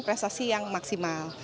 prestasi yang maksimal